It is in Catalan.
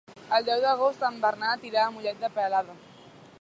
El deu d'agost en Bernat irà a Mollet de Peralada.